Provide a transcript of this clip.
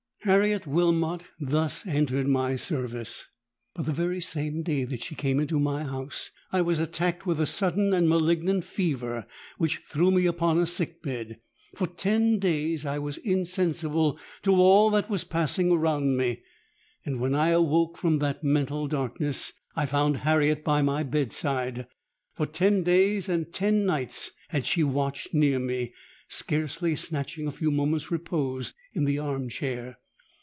"Harriet Wilmot thus entered my service. But the very same day that she came into my house, I was attacked with a sudden and malignant fever, which threw me upon a sick bed. For ten days I was insensible to all that was passing around me; and when I awoke from that mental darkness, I found Harriet by my bed side. For ten days and ten nights had she watched near me, scarcely snatching a few moments' repose in the arm chair.